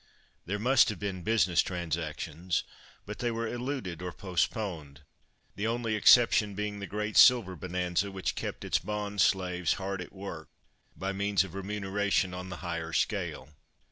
There must have been business transactions, but they were eluded or postponed—the only exception being the Great Silver Bonanza, which kept its bond slaves hard at work, by means of remuneration on the higher scale.